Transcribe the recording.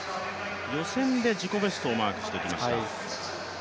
予選で自己ベストをマークしてきました。